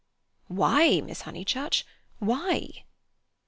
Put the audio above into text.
"Why, Miss Honeychurch, why?"